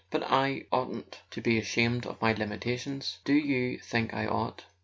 But I oughtn't to be ashamed of my limitations, do you think I ought?